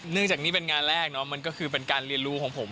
จากนี้เป็นงานแรกเนาะมันก็คือเป็นการเรียนรู้ของผม